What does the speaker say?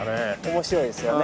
面白いですよね。